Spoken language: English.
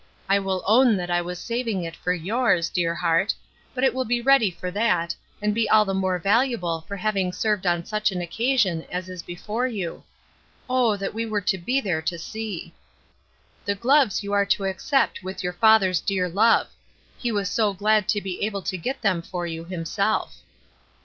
I will .own that I was saving it for yours, dear heart, but it will be ready for that, and be all the more valuable for having served on such an occasion as is before you. Oh, that we were to be there to see ! ''The gloves you are to accept with your father's dear love; he was so glad to be able to get them for you himself."